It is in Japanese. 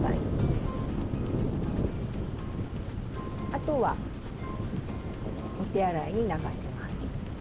あとはお手洗いに流します。